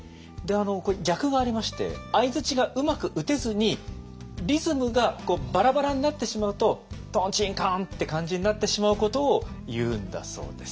これ逆がありまして相槌がうまく打てずにリズムがバラバラになってしまうと「とんちんかん」って感じになってしまうことをいうんだそうです。